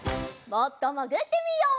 もっともぐってみよう。